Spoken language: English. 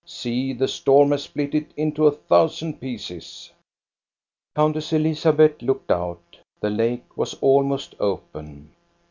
See, the storm has split it into a thousand pieces." Countess Elizabeth looked out. The lake was al most open.